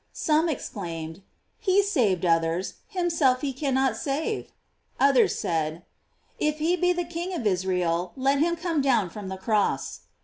"J Some ex claimed: "He saved others, himself he cannot save."§ Others said: "If he be the King of Israel, let him corne down from the cross."